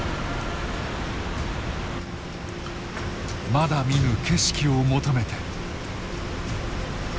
まだ見ぬ景色を求めて。